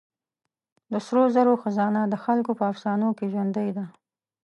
د سرو زرو خزانه د خلکو په افسانو کې ژوندۍ ده.